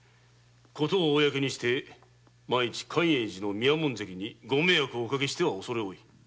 事を公にして万一寛永寺の宮門跡にご迷惑をおかけしては恐れ多い。